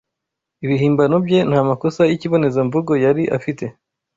Ibihimbano bye nta makosa yikibonezamvugo yari afite